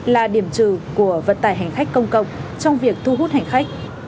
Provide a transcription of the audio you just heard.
là điểm trừ của vận tải hành khách công cộng trong việc thu hút hành khách